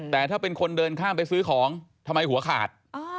แต่ถ้าเป็นคนเดินข้ามไปซื้อของทำไมหัวขาด